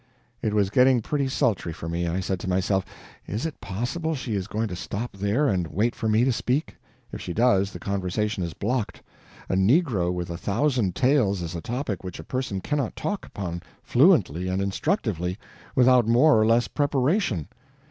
It was getting pretty sultry for me. I said to myself, "Is it possible she is going to stop there, and wait for me to speak? If she does, the conversation is blocked. A negro with a thousand tails is a topic which a person cannot talk upon fluently and instructively without more or less preparation.